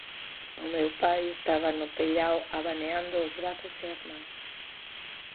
O meu pai estaba no peirao abaneando os brazos e as mans.